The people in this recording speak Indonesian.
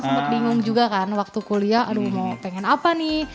sempat bingung juga kan waktu kuliah aduh mau pengen apa nih